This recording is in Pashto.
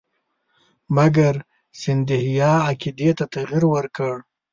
مګر سیندهیا عقیدې ته تغیر ورکړ.